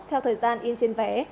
theo thời gian in trên vé